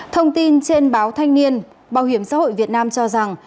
thông tin trên báo thanh niên bảo hiểm xã hội việt nam cho rằng